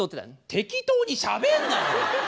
適当にしゃべんなよ！